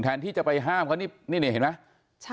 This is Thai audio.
แทนที่จะไปห้ามเพราะนี่นี่เห็นไหม